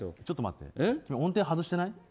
ちょっと待って君、音程外してない？